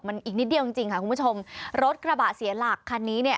มันอีกนิดเดียวจริงจริงค่ะคุณผู้ชมรถกระบะเสียหลักคันนี้เนี่ย